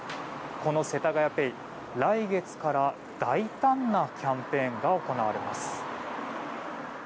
このせたがやＰａｙ、来月から大胆なキャンペーンが行われます。